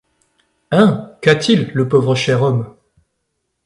Hein ! qu’a-t-il, le pauvre cher homme ?…